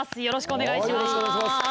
よろしくお願いします。